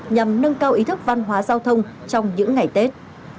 nhằm nâng cao ý thức văn hóa giao thông trong những ngày tết